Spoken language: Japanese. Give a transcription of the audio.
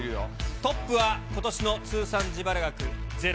トップは、ことしの通算自腹額ゼロ。